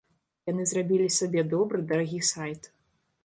Яны зрабілі сабе добры, дарагі сайт.